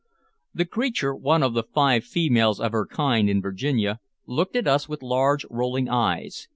The creature, one of the five females of her kind then in Virginia, looked at us with large, rolling eyes.